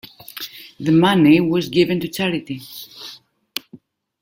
The money was given to charity.